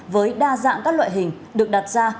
với đa dạng các loại hình được đặt ra